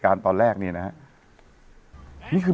ปรากฏว่าจังหวัดที่ลงจากรถ